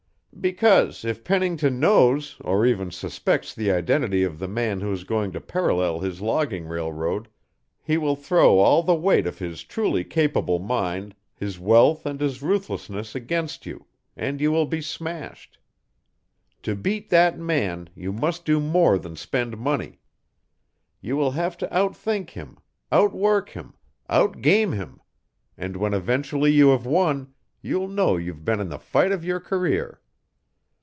"Because if Pennington knows, or even suspects the identity of the man who is going to parallel his logging railroad, he will throw all the weight of his truly capable mind, his wealth and his ruthlessness against you and you will be smashed. To beat that man, you must do more than spend money. You will have to outthink him, outwork him, outgame him, and when eventually you have won, you'll know you've been in the fight of your career.